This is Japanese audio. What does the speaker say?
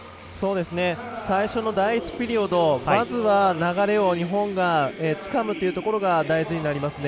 最初の第１ピリオドをまず流れを日本がつかむことが大事になりますね。